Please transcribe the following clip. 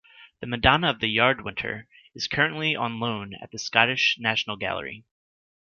The "Madonna of the Yardwinder" is currently on loan at the Scottish National Gallery.